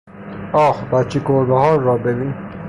آه، بچه گربهها را ببین!